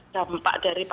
tampak dari papa